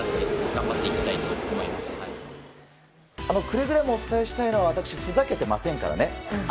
くれぐれもお伝えしたいのは私、ふざけてませんからね。